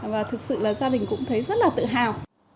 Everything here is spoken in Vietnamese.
và thực sự là gia đình cũng thấy rất là tự hào